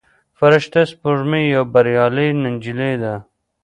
فرشته سپوږمۍ یوه بریالۍ نجلۍ ده.